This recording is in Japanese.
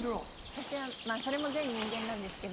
私はそれも全人間なんですけど。